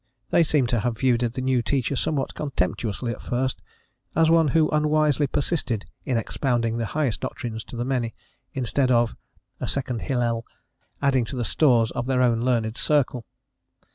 They seem to have viewed the new teacher somewhat contemptuously at first, as one who unwisely persisted in expounding the highest doctrines to the many, instead of a second Hillel adding to the stores of their own learned circle.